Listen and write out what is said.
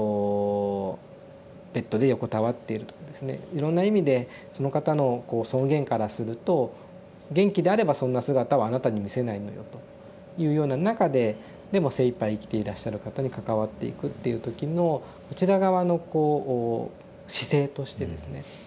いろんな意味でその方のこう尊厳からすると「元気であればそんな姿はあなたに見せないのよ」というような中ででも精いっぱい生きていらっしゃる方に関わっていくっていう時のこちら側のこう姿勢としてですね